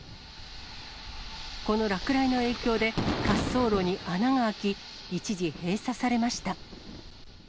この落雷の影響で、滑走路に穴が開き、一時閉鎖されました。